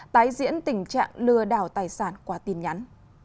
tái diễn tình trạng lừa đảo tài sản qua tin nhắn